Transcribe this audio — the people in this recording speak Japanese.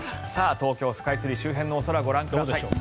東京スカイツリー周辺のお空ご覧ください。